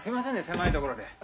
狭いところで。